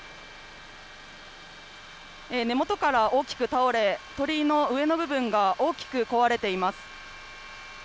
根元から大きく倒れ、鳥居の上の部分が大きく壊れています。